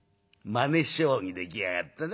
「まね将棋で来やがったな